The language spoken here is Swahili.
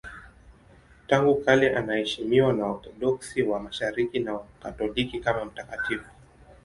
Tangu kale anaheshimiwa na Waorthodoksi wa Mashariki na Wakatoliki kama mtakatifu.